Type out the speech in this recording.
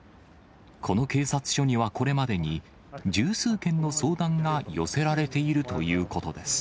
この警察署にはこれまでに、十数件の相談が寄せられているということです。